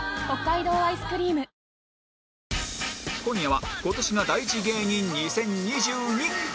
今夜は